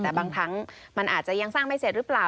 แต่บางครั้งมันอาจจะยังสร้างไม่เสร็จหรือเปล่า